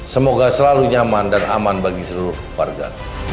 semoga selalu nyaman dan aman bagi seluruh warga